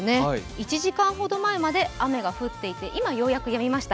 １時間ほど前まで、雨が降っていて、今、ようやくやみました。